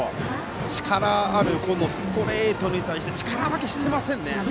力があるストレートに対して力負けしてませんね。